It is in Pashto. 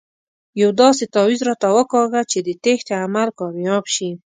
یو داسې تاویز راته وکاږه چې د تېښتې عمل کامیاب شي.